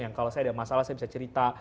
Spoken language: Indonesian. yang kalau saya ada masalah saya bisa cerita